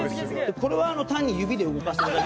これは単に指で動かしてるだけ。